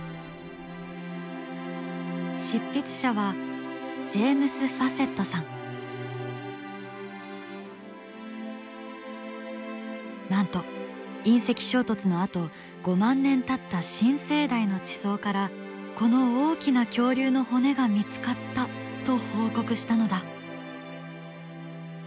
執筆者はなんと隕石衝突のあと５万年たった新生代の地層からこの大きな恐竜の骨が見つかったと報告したのだ。